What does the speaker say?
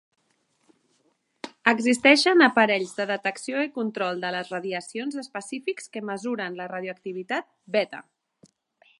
Existeixen aparells de detecció i control de les radiacions específics que mesuren la radioactivitat beta.